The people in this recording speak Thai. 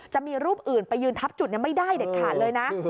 จะมีรูปอื่นไปยืนทับจุดไม่ได้เด็ดขาดเลยนะ